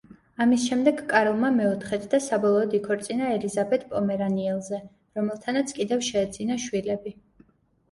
ამის შემდეგ, კარლმა მეოთხედ და საბოლოოდ იქორწინა ელიზაბეთ პომერანიელზე, რომელთანაც კიდევ შეეძინა შვილები.